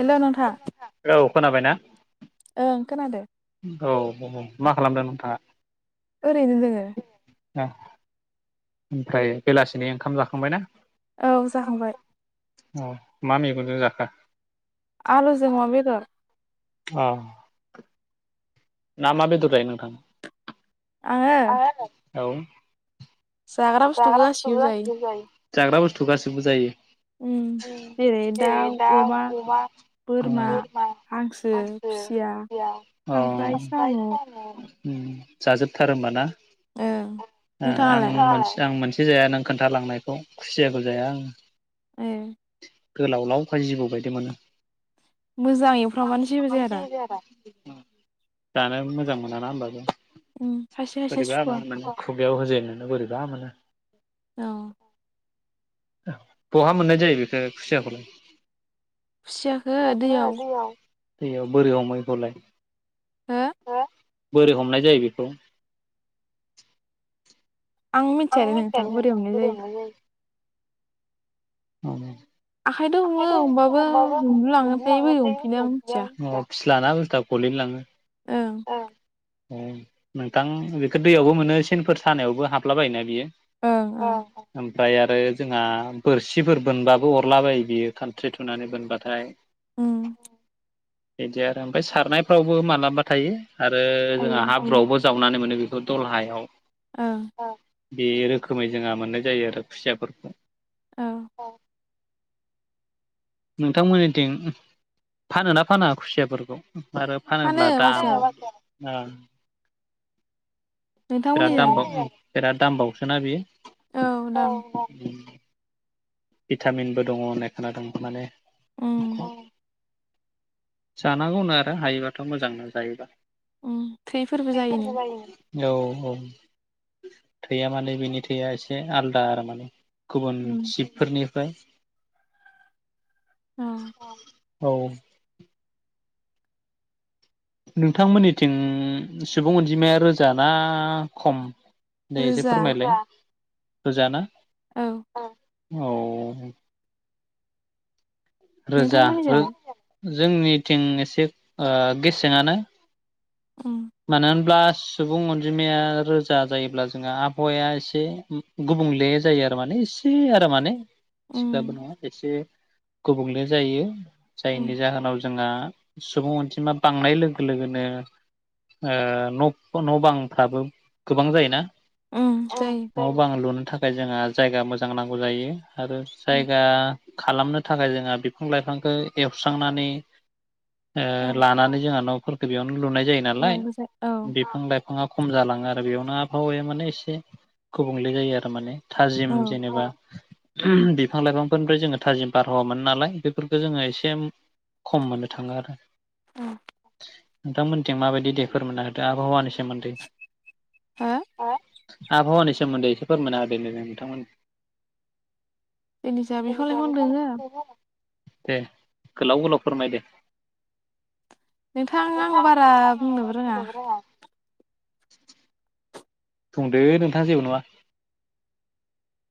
हेल' नोंथां। औ खोनाबायना। ओं खोनादो। औ औ मा खालामदों नोंथाङा। ओरैनो दोङो। ओमफ्राय बेलासिनि ओंखाम जाखांबाय ना। औ जाखांबाय। अ' मा मैगंजों जाखो? आलुजों अमा बेदर। अ' मा मा बेदर जायो नोंथां औ जाग्रा बुस्थुखौ गासैखौबो जायो जाग्रा बुस्थु गासिबो जायो। उम जेरै दाउ अमा बोरमा हांसो खुसिया जाजोबथारो होमबा ना ओ [unintelligible] आं मोनसे जाया नों खोन्थालांनायखौ खुसियाखौ जाया आं। ए। गोलाव लावखाय जिबौ बायदि मोनो। मोजां एवफ्रामबानो जेबो जाया दा। जाया दा। जानो मोजां मोनाना होमबाबो बोरैबा मोनो। खुगायाव होजेननोनो बोरैबा मोनो। बहा मोननाय जायो बेखौ खुसियाखौलाय खुसियाखौ दैयाव। दैयाव बोरै हमो एखौलाय हो बोरै हमनाय जायो बेखौ? आं मिथियादै नोंथां बोरै हमनाय जायो। [unintelligible] फिस्ला ना बुस्थुआ गलिन लाङो ओं। [unintelligible] नोंथां बेखौ दैयावबो मोनो सेनफोर सानायावबो हाबलाबायोना बियो। ओमफ्राय आरो जोंहा बोरसिफोर बोनबाबो अरला बायो। बियो खानथ्रि थुनानै बोनबाथाय। बिदि आरो ओमफ्राय सारनायफ्रावबो मालाबा थायो आरो जोंहा हाब्रुआवबो जावनानै मोनो बेखौ दल हायाव। ओ बे रोखोमै जोंहा मोननाय जायो आरो खुसियाफोरखौ। औ। नोंथांमोननिथिं फानोना फाना खुसियाफोरखौ? आरो फानोब्ला दा ओ बिराद दामबाव बिराद दामबावसोना बियो औ भिटामिनबो दङ होननाय खोनादों माने ओ जानांगौ होनो आरो हायोबाथ' मोजांनो जायोबा [unintelligible] औ औ थैया माने बेनि थैया एसे आलदा आरो माने गुबुन शिबफोरनिफ्राय अ' औ नोंथांमोननिथिं सुबुं अनजिमाया रोजा ना खम? दे एसे फोरमायलाय बुरजा बुरजाना औ रोजा ओ जोंनिथिं एसे ओ गेसेङआनो खम। मानो होनब्ला सुबुं अनजिमाया रोजा जायोब्ला जोंहा आबहावाया एसे गुबुंले जायो आरो माने एसे आरो माने [unintelligible] नङा एसे गुबुंले जायो जायनि जाहोनाव जोंहा सुबुं अनजिमा बांनाय लोगो लोगोनो ओ न' बांफ्राबो गोबां जायोना औ जायो। गोबां लुनो थाखाय जोंहा जायगा मोजां नांगौ जायो आरो जायगा खालामनो थाखाय जोंहा बिफां लाइफांखो एवस्रांनानै ओ लानानै जोंहा न'फोरखौ बेयावनो लुनाय जायो नालाय बिफां लाइफां बिफाङा खम जालाङो आरो बेयावनो आबहावाया माने एसे गुबुंले जायो आरो माने थाजिम जेनेबा उम बिफां लाइफांफोरनिफ्राय जोङो थाजिम बारहावामोन नालाय बेफोरखौ जोङो एसे खम मोननो थाङो आरो नोंथांमोनथिं माबायदि दे फोरमोनना होदो आबहावानि सायाव सोमोनदै ओ आबहावानि सोमोन्दै एसे फोरमायना होदो होनदो नोंथांमोन जोंनि जा बिफां लाइफां दोङो। दे गोलाव गोलाव फोरमायदे। नोंथां आं बारा बुंनोबो रोङा। [inaudible] बुंदो नोंथां जेबो नङा।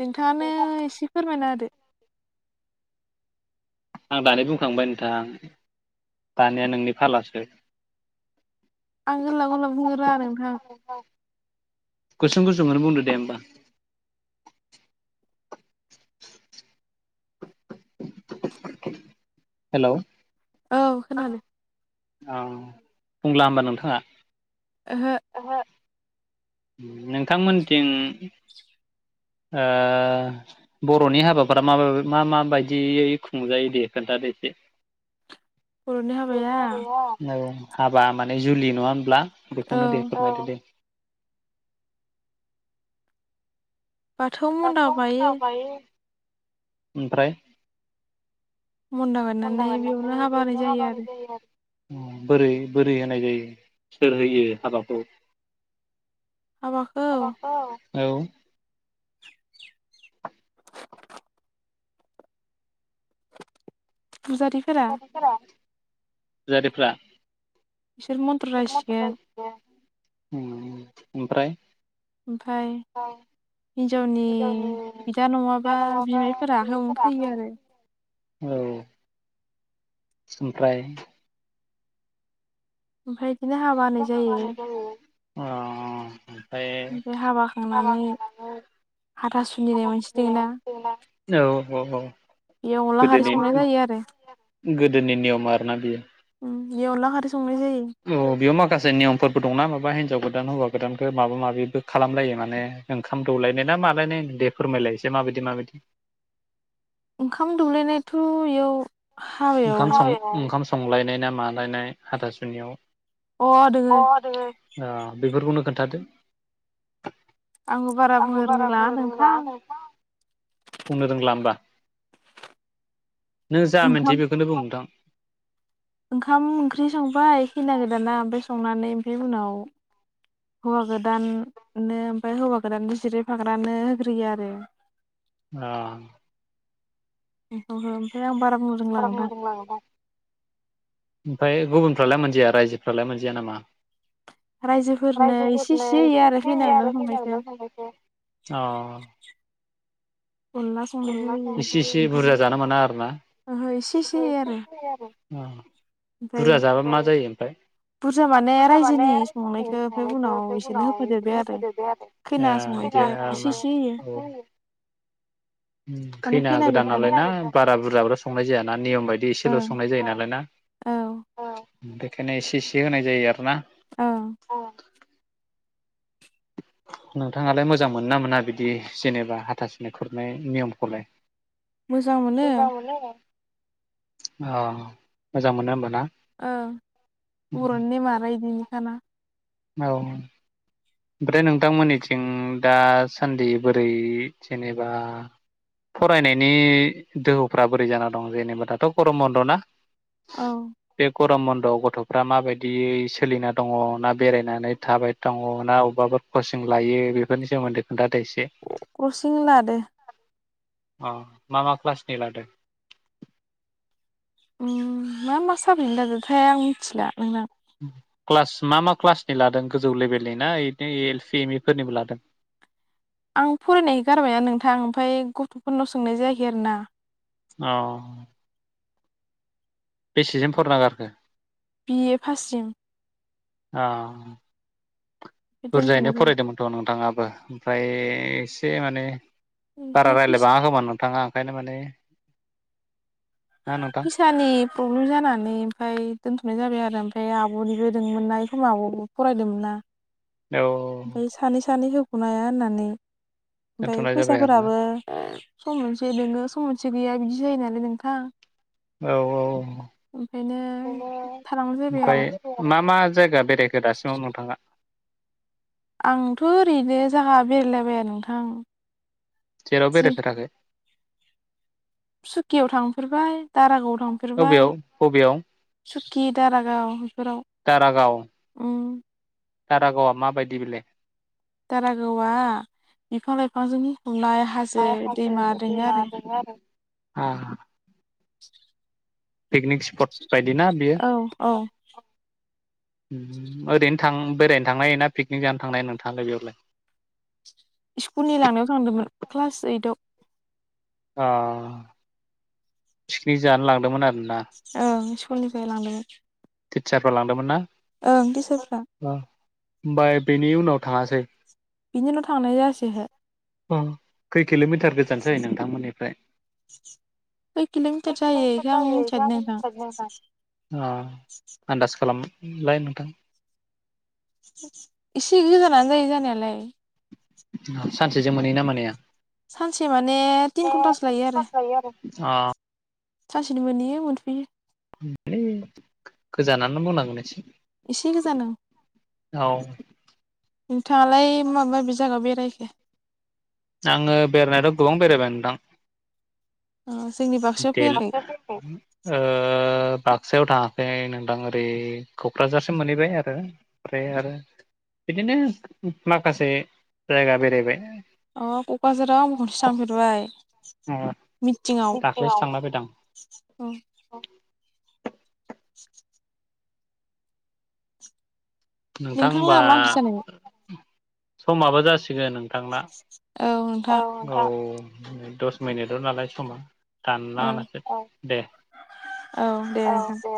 नोंथाङानो एसे फोरमायना होदो। आं दानि बुंखांबाय नोंथां दानिया नोंनि फालासो। आं गोलाव गोलाव बुंनोरोङा नोंथां। गुसुं गुसुंखौनो बुंदो दे होमबा। हेलौ औ खोनादो। औ बुंब्ला होमबा नोंथाङा? ओहो। ओहो। नोंथांमोनथिं ओ बर'नि हाबाफोरा मा मा माबायदियै खुंजायो दे खोन्थादो एसे। [inaudible] बर'नि हाबाया औ हाबा माने जुलि नङा होनोमब्ला बेखौनो दे फोरमायदो दे। दाथ' [unintelligible] ओमफ्राय [unintelligible] हाबा होनाय जायो आरो बोरै बोरै होनाय जायो सोर होयो हाबाखौ? हाबाखौ औ [unintelligible] फुजारि फुजारिफ्रा फुजारिफ्रा [unintelligible] ओम ओमफ्राय? ओमफाय हिनजावनि बिदा नङाबा बिमायफोरा हमफैयो आरो। औ ओमफ्राय ओमफाय इदिनो हाबा होनाय जायो। अ ओमफाय हाबा होखांनानै हाथा सु [unintelligible] औ औ औ गोदोनि गोदोनि नियम आरोना बियो। औ बेयाव माखासे नियमफोरबो दंना माबा हिनजाव गोदान हौवा गोदानखौ माबा माबिबो खालामलायो माने ओंखाम दौलायनाय ना मालायनाय दे फोरमायलाय एसे माबायदि माबायदि ओंखाम दौलायनायथ इयाव ओंखाम सं ओंखाम संलायनाय ना मालायनाय हाथासुनियाव ओ बेफोरखौनो खोन्थादो आंबो बारा बुंनो रोंबांआखै मा बुंनो रोंला होमबा नों जा मोनथियो बेखौनो बुं नोंथां ओंखाम ओंख्रि संबाय खैना गोदाना ओमफ्राय संनानै ओमफ्राय उनाव हौवा गोदाननो ओमफ्राय हौवा गोदाननो जिरायफाग्रानो होग्रोयो आरो आ [unintelligible] ओमफ्राय आं बारा बुंनो ओमफ्राय गुबुनफ्रालाय मोनजाया रायजोफ्रालाय मोनजाया नामा? रायजोफोरनो एसे एसे होयो आरो खैना‌ गोदान संनायखौ अ अनला संनायखौ होयो ओंखामाव ओहो एसे एसे होयो आरो आरो अ बुरजा जाबा मा जायो ओमफ्राय? बुरजा माने रायजोनि संनायखौ बे उनाव इदिनो होफादेरबाय आरो ए [unintelligible] खैना गोदान नालाय ना बारा बुरजाबोथ संनाय जाया ना नियम बायदि एसेल संनाय जायो नालाय ना बेखायनो एसे इसे होनाय जायो आरोना ओं नोंथाङालाय मोजां मोन ना मोना बिदि जेनेबा हाथा सुनि खुरनाय नियमखौलाय? अ मोजां मोनो होमबा ना ओ बरनि नेमालाय इदिनोखाना औ ओमफ्राय नोंथांमोननिथिं दासान्दि बोरै जेनेबा फरायनायनि दोहौफोरा बोरै जाना दं जेनेबा दाथ गरम बन्दना औ बे गरम बन्दआव गथफ्रा माबायदियै सोलिना दङ ना बेरायनानै थाबाय दङ ना‌ अबाफोर कचिं लायो बेफोरनि सोमोन्दै खोनथादो एसे क्रसिं लादो अ‌ मा मा क्लासनि लादों उम मा मा साबजेक्ट लादोथाय आं मिथिला नोंथां क्लास मा मा क्लासनि लादों गोजौ लेभेलनि ना इदिनो एल पि एम इ फोरनिबो लादों आं फरायनायखो गारबायना नोंथां ओमफ्राय गथफोरनाव सोंनाय जायाखै आरो ना औ बेसेसिम फरायना गारखो? बि ए पास सिएम आ बुरजायैनो फरायदोंमोन थ नोंथाङाबो ओमफ्राय एसे माने बारा रायलायबाङा खोमा नोंथाङा ओंखायनो माने ना नोंथां फैसानि प्रब्लेम जानानै ओमफ्राय दोनथ'नाय जाबाय आरो ओमफ्राय आब'निबो दोंमोन ना ए समाव आबबो फरायदोंमोन ना औ ओमफ्राय सानै सानै होखनो हाया होननानै ओमफ्राय फैसाफोराबो सम मोनसे दोङो सम मोनसे गैया बिदि जायो नालाय नोंथां औ औ ओमफ्राय मा मा जायगा बेरायखो दासिमाव नोंथाङा आंथ' ओरैनो जागा बेरायलाबाया नोंथां जेरावबो बेरायफेराखै सुकियाव थांफेरबाय दारागाव थांफ थांफेरबाय सुकि दारागाव बेफोराव ओम दारागावा माबायदि बेलाय? दारागावा बिफां लाइफांजों बुंफबनाय हाजो ओमफ्राय हाजो दैमा दोङो आरो [inaudible] पिकनिक स्पट बायदि ना बियो? ओरैनो थां बेरायनो थांनो ना पिकनिक जानो थांनो हायो नोंथां बेयावलाय स्कुलनि लांनायाव थांदोंमोन क्लास ओइदआव अ पिकनिक जानो लांदोंमोन आरो ना औ स्कुलनिफ्राय लांदोंमोन। टिचारफ्रा लांदोंमोन ना? ओं टिचारफ्रा ओमफ्राय बेनि उनाव थाङासै बिनि उनाव थांनाय जायासै ओहो अ खै किल'मिटार गोजान जायो नोंथांमोननिफ्राय [unintelligible] अ आन्दास खालामलबाय नोंथां एसे गोजानानो जायो जानायालाय सानसेजों मोनहैयोना मोनहैया? अ सानसेनो मोनहैयो मोनफैयो गोजानानो बुंनांगोन एसे एसे गोजान ओं। नोंथाङालाय माबे माबे जायगायाव बेरायखो? आङो बेरायनायाथ' गोबां बेरायबाय नोंथां [unintelligible] ओ ओ बाक्सायाव थाङाखै नोंथां ओरै क'क्राझारसिम मोनहैबाय आरो ओमफ्राय आरो बिदिनो माखासे जायगा बेरायबाय अ क'क्राझार आव आंबो खनसे थांफेरबाय। अ दाख्लैसो थांना फैदो आं औ [inaudible] नोंथां होनबा समाबो जासिगोन नोंथांना औ नै दस मिनिटल' नालाय समा। दानना लासे दे औ दे।